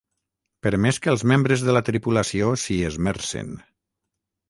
Per més que els membres de la tripulació s'hi esmercen.